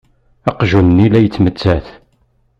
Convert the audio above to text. Aqjun-nni la yettmettat.